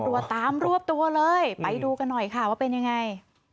ตำรวจตามรวบตัวเลยไปดูกันหน่อยค่ะว่าเป็นยังไง